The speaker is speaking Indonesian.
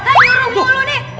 tunggu dulu nih